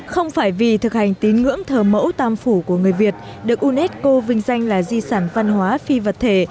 không phải vì thực hành tín ngưỡng thờ mẫu tam phủ của người việt được unesco vinh danh là di sản văn hóa phi vật thể